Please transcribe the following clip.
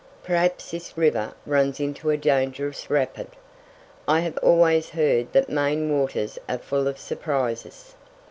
"Perhaps this river runs into a dangerous rapid. I have always heard that Maine waters are full of surprises."